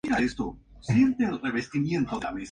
Come larvas de insectos, insectos invertebrados planctónicos.